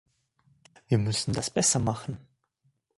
Wir müssen das besser machen.